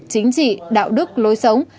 chính trị đạo đức lối sống